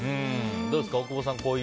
どうですか、大久保さん。